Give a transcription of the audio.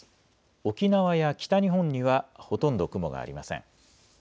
沖縄や北日本にはほとんど雲がありません。